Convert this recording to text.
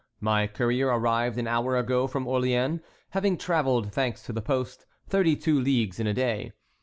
My courier arrived an hour ago from Orléans, having travelled, thanks to the post, thirty two leagues in a day.